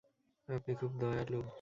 আপনি খুব দয়ালু।